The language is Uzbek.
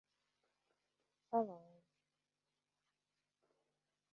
Yaxshilikni bilmasang, bori yaxshilarga qo‘shul.